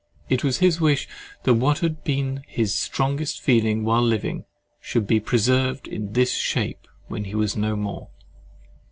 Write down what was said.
It was his wish that what had been his strongest feeling while living, should be preserved in this shape when he was no more.